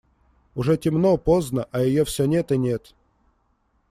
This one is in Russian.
Уже темно, поздно, а ее все нет и нет.